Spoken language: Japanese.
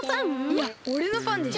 いやおれのファンでしょ。